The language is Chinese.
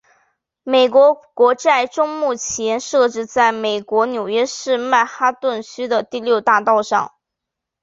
美国国债钟目前设置在美国纽约市曼哈顿区的第六大道上。